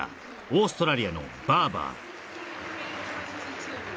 オーストラリアのバーバーうわっ！